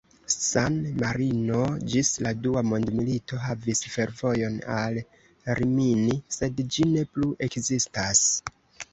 San-Marino ĝis la Dua mondmilito havis fervojon al Rimini, sed ĝi ne plu ekzistas.